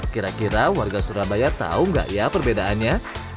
kira kira warga surabaya tahu nggak ya perbedaannya